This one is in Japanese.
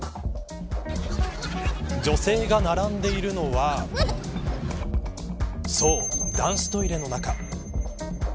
女性が並んでいるのはそう、男子トイレの中。